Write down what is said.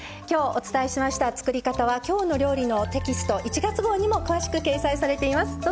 きょうお伝えした作り方は「きょうの料理」テキスト１月号に詳しく掲載されています。